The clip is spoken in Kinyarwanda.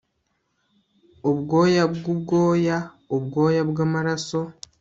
ubwoya bw'ubwoya, ubwoya bw'amaraso